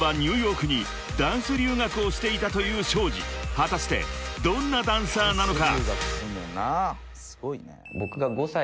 ［果たしてどんなダンサーなのか］